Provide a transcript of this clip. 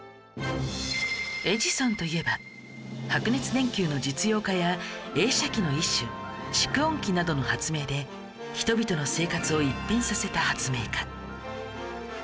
エジソンといえば白熱電球の実用化や映写機の一種蓄音機などの発明で人々の生活を一変させた発明家